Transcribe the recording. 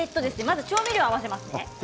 まず調味料を合わせますね。